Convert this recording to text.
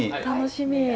楽しみ！